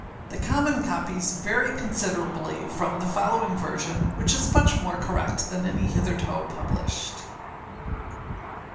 The common copies vary considerably from the following version, which is much more correct than any hitherto published.